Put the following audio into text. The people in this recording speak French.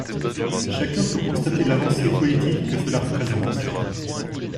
Chacun peut constater l’avancée politique que cela représente.